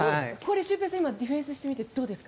シュウペイさんディフェンスしてみてどうですか？